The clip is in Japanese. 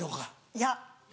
いや。